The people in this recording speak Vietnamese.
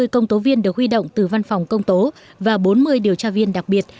sáu mươi công tố viên được huy động từ văn phòng công tố và bốn mươi điều tra viên đặc biệt